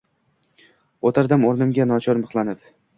O‘tirdim o‘rnimga nochor mixlanib.